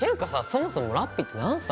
そもそもラッピーって何歳？